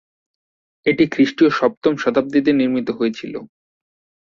এটি খ্রিস্টীয় সপ্তম শতাব্দীতে নির্মিত হয়েছিল।